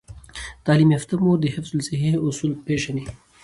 تعلیم یافته مور د حفظ الصحې اصول پیژني۔